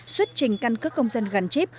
xuất trình căn cước công dân gắn chip